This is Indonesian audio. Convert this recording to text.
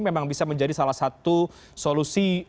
memang bisa menjadi salah satu solusi